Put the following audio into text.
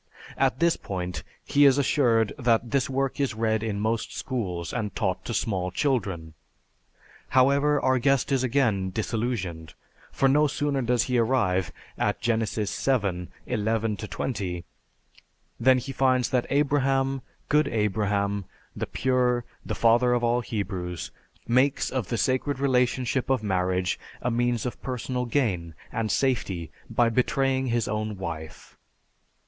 At this point he is assured that this work is read in most schools and taught to small children. However, our guest is again disillusioned; for no sooner does he arrive at Genesis, XII, 11 20, than he finds that Abraham, good Abraham, the pure, the father of all Hebrews, makes of the sacred relationship of marriage a means of personal gain and safety by betraying his own wife.